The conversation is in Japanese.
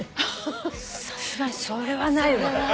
さすがにそれはないわ。